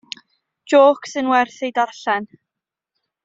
Jôc sy'n werth ei darllen.